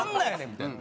みたいな。